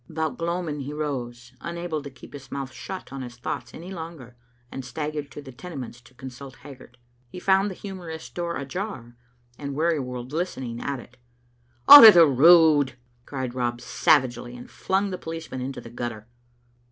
About gloaming he rose, unable to keep his mouth shut on his thoughts any longer, and staggered to the Tenements to consult Haggart. He found the humourist's door ajar, and Wearyworld listening at it. "Out o' the road!" cried Rob, savagely, and flung the policeman into the gutter.